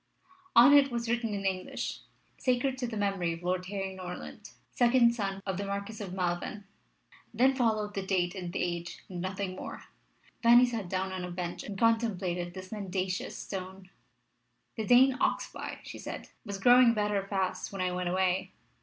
On it was written in English, "Sacred to the Memory of Lord Harry Norland, second son of the Marquis of Malven." Then followed the date and the age, and nothing more. Fanny sat down on a bench and contemplated this mendacious stone. "The Dane Oxbye," she said, "was growing better fast when I went away.